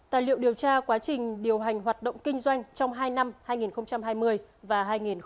tài liệu điều tra quá trình điều hành hoạt động kinh doanh trong hai năm hai nghìn hai mươi và hai nghìn hai mươi một